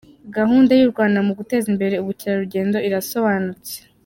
Gahunda y’u Rwanda mu guteza imbere ubukerarugendo irasobanutse.